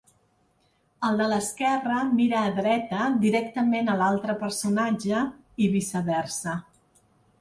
El de l'esquerra mira a dreta directament a l'altre personatge i viceversa.